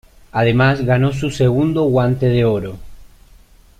Además ganó su segundo Guante de Oro.